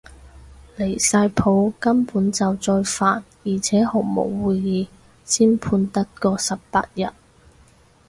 離晒譜，根本就再犯而且毫無悔意，先判得嗰十八日